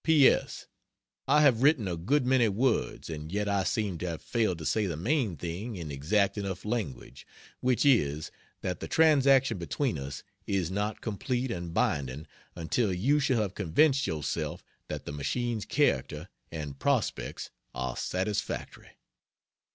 P. S. I have written a good many words and yet I seem to have failed to say the main thing in exact enough language which is, that the transaction between us is not complete and binding until you shall have convinced yourself that the machine's character and prospects are satisfactory.